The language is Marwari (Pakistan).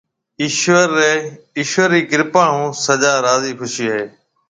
ايشوَر رِي ڪرپا هون سجا راضِي خوشِي هيَ۔